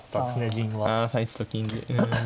あ３一と金で。